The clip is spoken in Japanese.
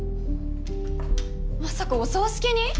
まさかお葬式に？